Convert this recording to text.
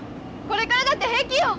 これからだって平気よ！